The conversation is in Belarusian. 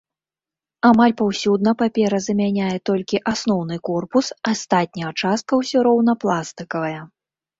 Амаль паўсюдна папера замяняе толькі асноўны корпус, астатняя частка ўсё роўна пластыкавая.